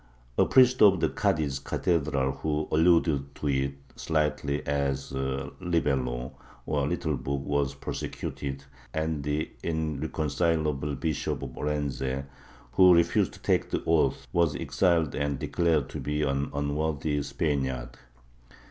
A priest of the Cadiz cathedral who alluded to it slightingly as a lihelo, or little book, was prosecuted, and the irre concileable Bishop of Orense, who refused to take the oath, was exiled and declared to be an unworthy Spaniard.